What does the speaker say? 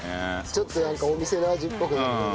ちょっとなんかお店の味っぽくなるよね。